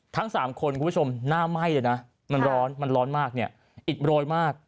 ทั้งสามคนน่าไหม้เลยนะมันร้อนมันร้อนมากนี่อิดรอยมาก